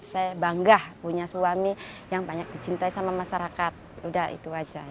saya bangga punya suami yang banyak dicintai sama masyarakat